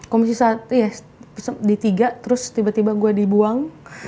komisi satu di tiga terus tiba tiba gue dibuang